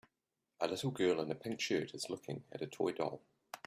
A little girl in a pink shirt is looking at a toy doll.